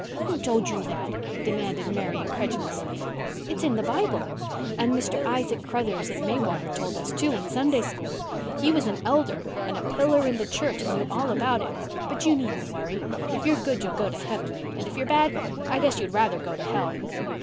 "Who told you that?" demanded Mary incredulously. "It's in the Bible. And Mr. Isaac Crothers at Maywater told us, too, in Sunday School. He was an elder and a pillar in the church and knew all about it. But you needn't worry. If you're good you'll go to heaven and if you're bad I guess you'd rather go to hell."